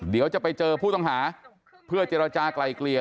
เดี๋ยวจะไปเจอผู้ต้องหาเพื่อเจรจากลายเกลี่ย